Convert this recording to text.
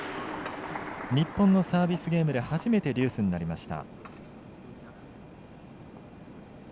日本のサービスゲームで初めてデュースになりました。